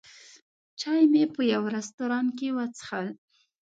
چای مې په یوه رستورانت کې وڅښل.